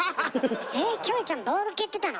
えキョエちゃんボール蹴ってたの？